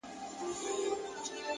د درملني مسئولیت اخیستی وای